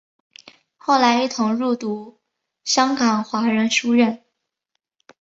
后来一同入读香港华仁书院。